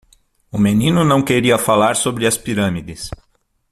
O menino não queria falar sobre as pirâmides.